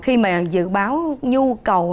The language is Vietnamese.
khi mà dự báo nhu cầu